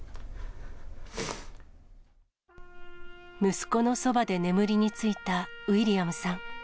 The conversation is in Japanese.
息子のそばで眠りについたウィリアムさん。